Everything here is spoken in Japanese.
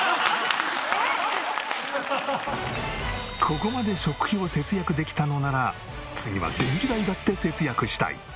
ここまで食費を節約できたのなら次は電気代だって節約したい！